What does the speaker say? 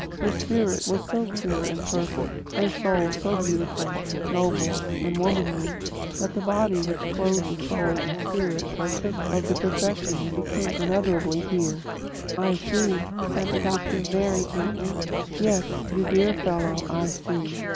Her spirit was so pure and perfect, her soul so beautiful, noble, and womanly, that the body which clothed soul and spirit partook of their perfection and became unutterably dear." "I see," said the doctor, very gently. "Yes, you dear fellow, I see."